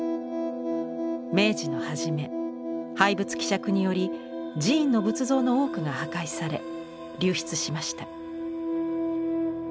明治の初め廃仏毀釈により寺院の仏像の多くが破壊され流出しました。